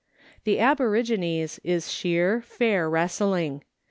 The aborigines' is sheer, fair wrestling.